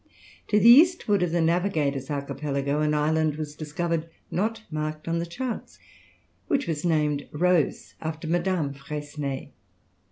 To the eastward of the Navigators' archipelago, an island was discovered, not marked on the charts, which was named "Rose," after Madame Freycinet.